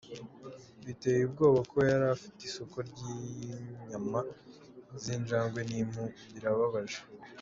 Biteye ubwoba ko yari afite isoko ry’inyama z’injangwe n’impu, birababaje.